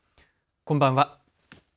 こんばんは。